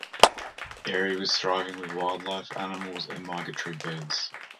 Area was thriving with wildlife animals and migratory birds.